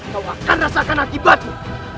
kamu akan merasakan akibatmu